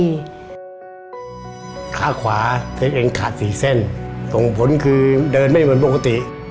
ขาขวาตัวเองขาดสี่เส้นส่งผลคือเดินไม่เหมือนปกติ